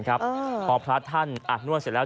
พอพระท่านอาบนวดเสร็จแล้ว